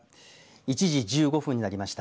１時１５分になりました。